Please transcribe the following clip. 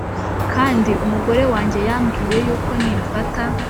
Kandi umugore wanjye yambwiye yuko nimfata